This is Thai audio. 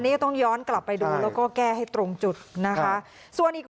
นี่ก็ต้องย้อนกลับไปดูแล้วก็แก้ให้ตรงจุดนะคะส่วนอีก